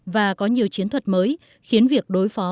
và có nhiều chiến thuật mới khiến việc đối phó